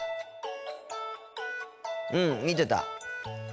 うん見てた。